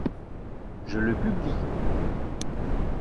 Je le publie.